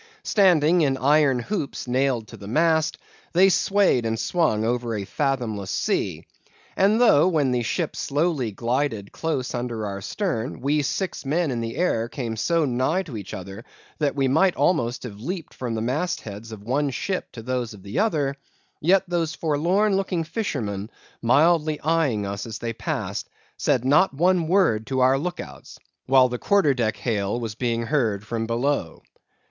Standing in iron hoops nailed to the mast, they swayed and swung over a fathomless sea; and though, when the ship slowly glided close under our stern, we six men in the air came so nigh to each other that we might almost have leaped from the mast heads of one ship to those of the other; yet, those forlorn looking fishermen, mildly eyeing us as they passed, said not one word to our own look outs, while the quarter deck hail was being heard from below.